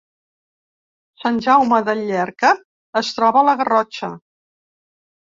Sant Jaume de Llierca es troba a la Garrotxa